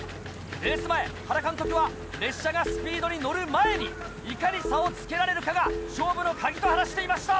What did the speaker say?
レース前原監督は列車がスピードに乗る前にいかに差をつけられるかが勝負の鍵と話していました。